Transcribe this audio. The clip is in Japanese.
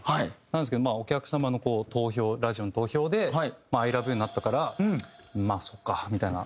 なんですけどお客様の投票ラジオの投票で『ＩＬＯＶＥＹＯＵ』になったからまあそっかみたいな。